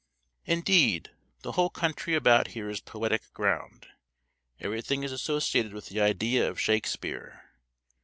Indeed, the whole country about here is poetic ground: everything is associated with the idea of Shakespeare.